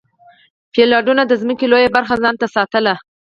فیوډالانو د ځمکو لویه برخه ځان ته ساتله.